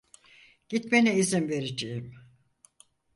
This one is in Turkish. Gitmene izin vereceğim.